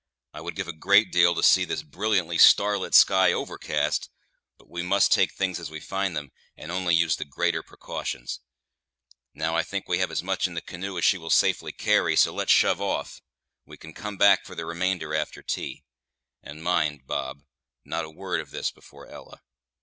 I would give a great deal to see this brilliantly starlit sky overcast, but we must take things as we find them, and only use the greater precautions. Now I think we have as much in the canoe as she will safely carry, so let's shove off; we can come back for the remainder after tea. And mind, Bob, not a word of this before Ella."